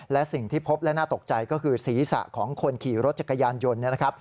และสิ่งที่พบและน่าตกใจก็คือศีรษะของคนขี่รถจักรยานยนต์นะครับ